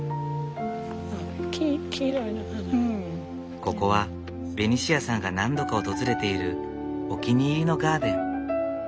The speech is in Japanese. ここはベニシアさんが何度か訪れているお気に入りのガーデン。